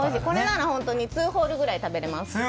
これなら本当に２ホールぐらい食べられます。